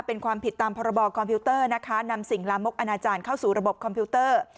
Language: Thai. เป็นความผิดตามพรบคอมพิวเตอร์นะคะนำสิ่งลามกอนาจารย์เข้าสู่ระบบคอมพิวเตอร์